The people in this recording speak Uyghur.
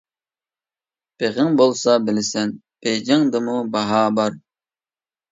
بېغىڭ بولسا بىلىسەن، بېيجىڭدىمۇ باھا بار.